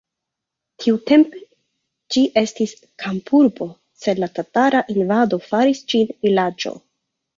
Tiutempe ĝi estis kampurbo, sed la tatara invado faris ĝin vilaĝo.